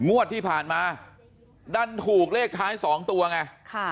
งวดที่ผ่านมาดันถูกเลขท้าย๒ตัวไง